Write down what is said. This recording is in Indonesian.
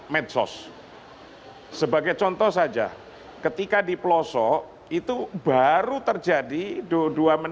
medsos hai sebagai contoh saja ketika di plosok itu baru terjadi dua menit tiga menit kok bisa langsung